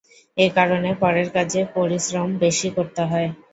এ কারণে পরের কাজে পরিশ্রম বেশি করতে হয়।